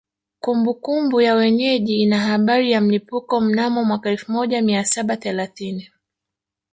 Kumbukumbu ya wenyeji ina habari ya mlipuko mnamo mwaka elfu moja mia saba thelathini